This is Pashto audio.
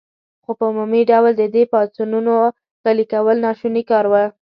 خو په عمومي ډول د دې پاڅونونو غلي کول ناشوني کار و.